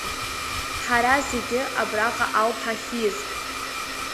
Ҳара зегьы абраҟа ауп ҳахьиз!